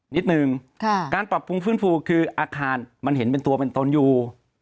นิดนึงการปรับปรุงฟื้นฟูคืออาคารมันเห็นเป็นตัวเป็นตนอยู่